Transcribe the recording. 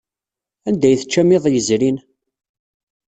Anda ay teččam iḍ yezrin?